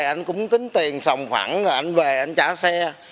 anh cũng tính tiền sòng phẳng rồi anh về anh trả xe